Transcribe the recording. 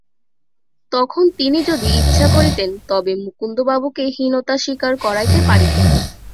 তখন তিনি যদি ইচ্ছা করিতেন তবে মুকুন্দবাবুকে হীনতা স্বীকার করাইতে পারিতেন।